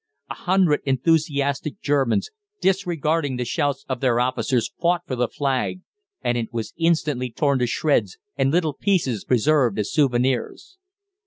A hundred enthusiastic Germans, disregarding the shouts of their officers, fought for the flag, and it was instantly torn to shreds, and little pieces preserved as souvenirs.